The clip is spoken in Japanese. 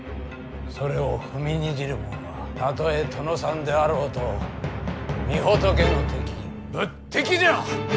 それを踏みにじるもんはたとえ殿さんであろうと御仏の敵仏敵じゃ！